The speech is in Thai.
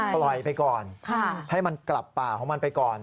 ปล่อยไปก่อนให้มันกลับป่าของมันไปก่อน